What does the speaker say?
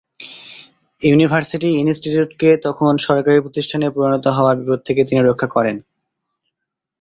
University institute কে তখন সরকারী প্রতিষ্ঠানে পরিণত হওয়ার বিপদ থেকে তিনি রক্ষা করেন।